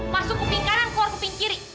masuk kuping kanan keluar kuping kiri